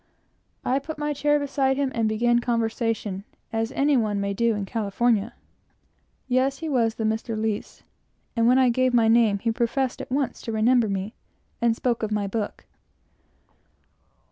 I put my chair beside him, and began conversation, as any one may do in California. Yes, he was the Mr. Lies; and when I gave my name he professed at once to remember me, and spoke of my book.